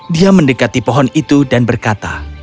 dia mendekati pohon itu dan berkata